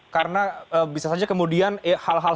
karena bisa saja kemudian hal hal